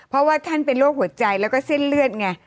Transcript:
เพราะว่าท่านเป็นโรคหัวใจแล้วก็เส้นเลือดไง